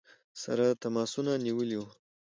سره تماسونه نیولي ؤ.